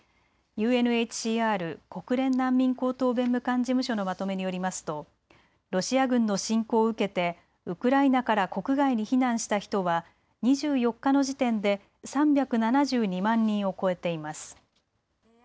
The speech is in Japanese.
ＵＮＨＣＲ・国連難民高等弁務官事務所のまとめによりますとロシア軍の侵攻を受けてウクライナから国外に避難した人は２４日の時点で３７２万人を超えています。